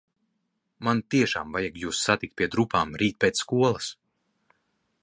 Man tiešām vajag jūs satikt pie drupām rīt pēc skolas.